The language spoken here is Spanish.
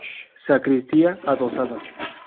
Sacristía adosada.